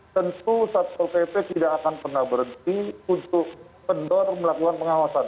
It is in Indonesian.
tentu satpol pp tidak akan pernah berhenti untuk kendor melakukan pengawasan